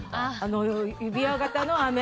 指輪形のアメ。